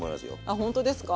あほんとですか。